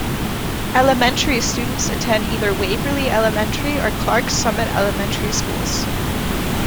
Elementary students attend either Waverly Elementary or Clarks Summit Elementary schools.